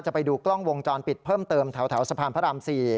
ไปดูกล้องวงจรปิดเพิ่มเติมแถวสะพานพระราม๔